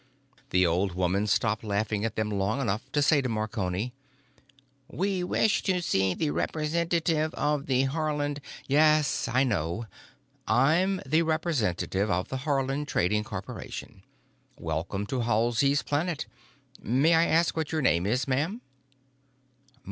The old woman stopped laughing at them long enough to say to Marconi, "We wish to see the representative of the Haarland——" "Yes, I know. I'm the representative of the Haarland Trading Corporation. Welcome to Halsey's Planet. May I ask what your name is, ma'am?"